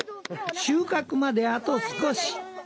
収穫まであと少し。